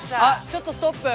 ちょっとストップ。